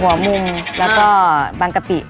มุมแล้วก็บางกะปิ